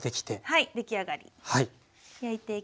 はい。